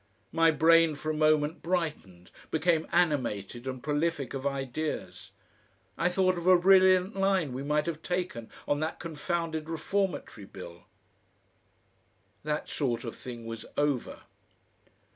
My brain for a moment brightened, became animated and prolific of ideas. I thought of a brilliant line we might have taken on that confounded Reformatory Bill.... That sort of thing was over....